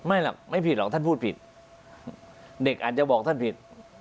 ไม่หรอกไม่ผิดหรอกท่านพูดผิดเด็กอาจจะบอกท่านผิด